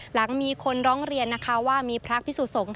หลังมีคนร้องเรียนนะคะว่ามีพระพิสุสงฆ์